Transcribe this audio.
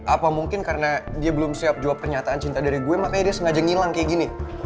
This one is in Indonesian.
apa mungkin karena dia belum siap jawab pernyataan cinta dari gue makanya dia sengaja ngilang kayak gini